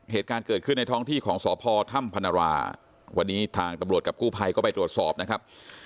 เหตุการณ์เกิดขึ้นในท้องที่ของสพถ้ำพนราวันนี้ทางตำรวจกับกู้ภัยก็ไปตรวจสอบนะครับ